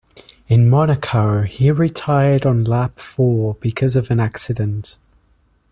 In Monaco he retired on lap four because of an accident.